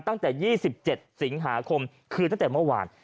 ตั้งแต่๒๗สิงหาคมคือตั้งแต่เมื่อวาน